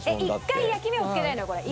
１回焼き目を付けたいの私。